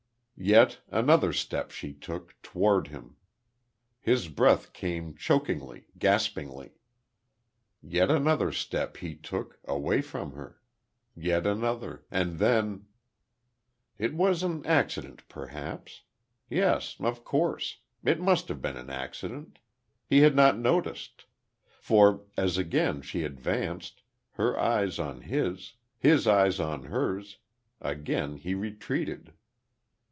Yet, another step she took, toward him.... His breath came chokingly, gaspingly. Yet another step he took, away from her.... Yet another.... And then.... It was an accident, perhaps. Yes, of course; it must have been an accident. He had not noticed.... For, as again she advanced, her eyes on his, his eyes on hers, again he retreated.